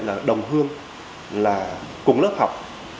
là đồng hương là cùng lớp học